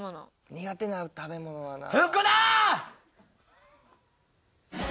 苦手な食べ物はなあ。